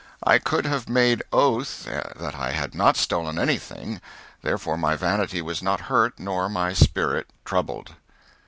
I could have made oath that I had not stolen anything, therefore my vanity was not hurt nor my spirit troubled.